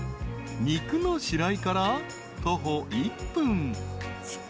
［肉の白井から徒歩１分］